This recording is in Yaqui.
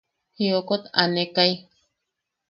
Jiokot aanekai.